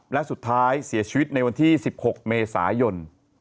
และสุดท้ายเสียชีวิตในวันที่๑๖เมษายน